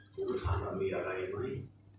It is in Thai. ผมก็ถามว่ามีอะไรไหม